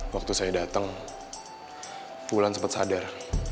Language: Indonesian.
waktu saya datang wulan sempet sadar